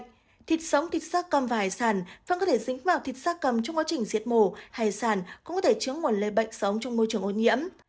thứ hai thịt sống thịt xác cầm và hải sản vẫn có thể dính vào thịt xác cầm trong quá trình diệt mổ hải sản cũng có thể chứa nguồn lây bệnh sống trong môi trường ô nhiễm